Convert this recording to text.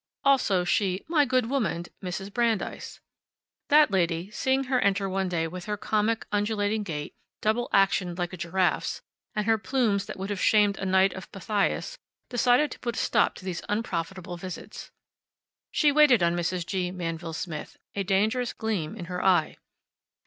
Also she my good womaned Mrs. Brandeis. That lady, seeing her enter one day with her comic, undulating gait, double actioned like a giraffe's, and her plumes that would have shamed a Knight of Pythias, decided to put a stop to these unprofitable visits. She waited on Mrs. G. Manville Smith, a dangerous gleam in her eye.